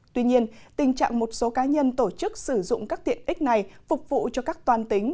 tuy nhiên tình trạng một số cá nhân tổ chức sử dụng các tiện ích này phục vụ cho các toàn tính